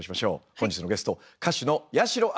本日のゲスト歌手の八代亜紀さんです。